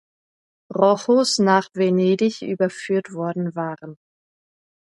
Rochus nach Venedig überführt worden waren.